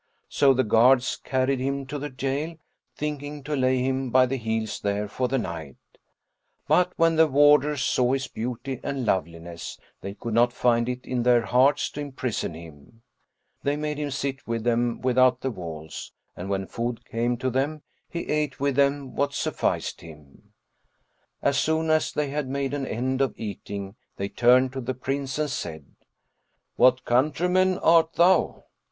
So the guards carried him to the jail, thinking to lay him by the heels there for the night; but, when the warders saw his beauty and loveliness, they could not find it in their hearts to imprison him: they made him sit with them without the walls; and, when food came to them, he ate with them what sufficed him. As soon as they had made an end of eating, they turned to the Prince and said, "What countryman art thou?"